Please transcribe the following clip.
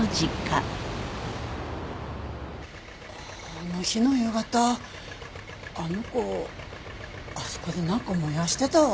あの日の夕方あの子あそこでなんか燃やしてたわ。